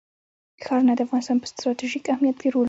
ښارونه د افغانستان په ستراتیژیک اهمیت کې رول لري.